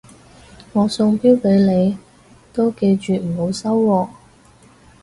我送錶俾你都記住唔好收喎